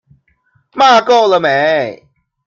罵夠了沒？